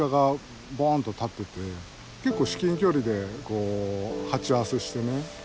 結構至近距離で鉢合わせしてね。